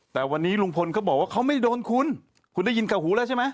แต่วันนี้ลุงพลเขาบอกว่าเขาไม่โดนคุณคุณได้ยินกับหูแล้วใช่ไหม